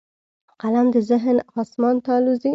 قلم د ذهن اسمان ته الوزي